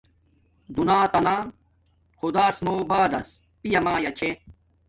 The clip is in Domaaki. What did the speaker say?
دونیاتانہ خداس موں بعداس پیامایا چھے